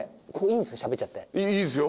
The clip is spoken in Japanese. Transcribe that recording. いいですよ。